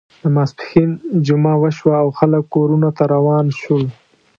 د ماسپښین جمعه وشوه او خلک کورونو ته روان شول.